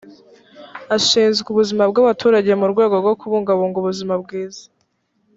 ashinzwe ubuzima bw’ abaturage mu rwego rwo kubungabunga ubuzima bwiza